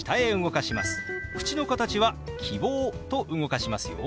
口の形は「キボー」と動かしますよ。